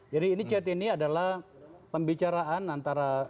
jadi chat ini adalah pembicaraan antara